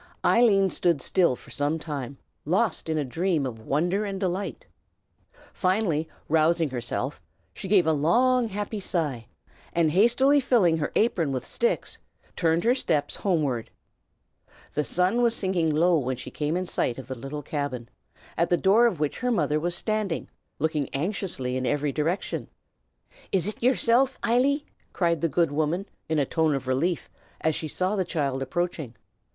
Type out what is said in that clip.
Eileen stood still for some time, lost in a dream of wonder and delight. Finally rousing herself, she gave a long, happy sigh, and hastily filling her apron with sticks, turned her steps homeward. The sun was sinking low when she came in sight of the little cabin, at the door of which her mother was standing, looking anxiously in every direction. "Is it yersilf, Eily?" cried the good woman in a tone of relief, as she saw the child approaching.